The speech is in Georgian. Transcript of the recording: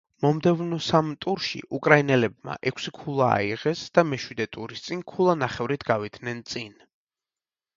მომდევნო სამ ტურში უკრაინელებმა ექვსი ქულა აიღეს და მეშვიდე ტურის წინ ქულანახევრით გავიდნენ წინ.